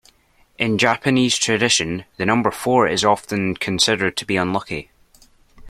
In Japanese tradition, the number four is often considered to be unlucky